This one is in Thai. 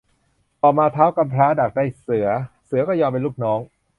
ต่อมาท้าวกำพร้าดักได้เสือ เสือก็ยอมเป็นลูกน้อง